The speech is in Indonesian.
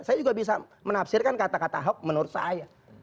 saya juga bisa menafsirkan kata kata ahok menurut saya